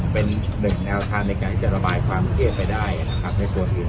เป็นหนึ่งแนวทางในการที่จะระบายความเครียดไปได้นะครับในส่วนอื่น